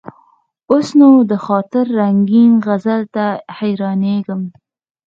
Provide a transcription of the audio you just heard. اوس نو: د خاطر رنګین غزل ته حیرانېږم.